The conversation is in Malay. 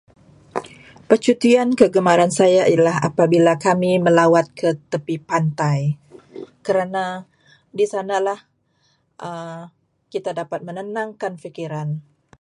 Percutian kegemaran saya ialah apabila kami melawat ke tepi pantai, kerana di sanalah kita dapat menenangkan fikiran.